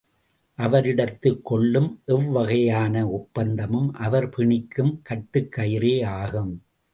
அவரிடத்துக் கொள்ளும் எவ்வகையான ஒப்பந்தமும் அவர் பிணிக்கும் கட்டுக்கயிறே ஆகும்!